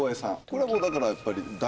これはもうだからやっぱり。